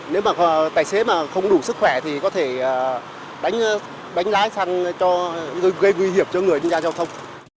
nếu mà tài xế mà không đủ sức khỏe thì có thể đánh lái xăng gây nguy hiểm cho người trên giao thông